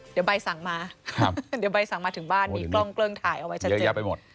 เดี๋ยวใบสั่งมาถึงบ้านมีกล้องเกลืองถ่ายเอาไว้ชัดเจน